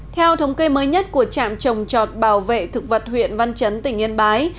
theo thống kê mới nhất của trạm trồng trọt bảo vệ thực vật huyện văn chấn tỉnh yên bái